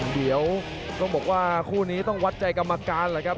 เดี๋ยวต้องบอกว่าคู่นี้ต้องวัดใจกรรมการแหละครับ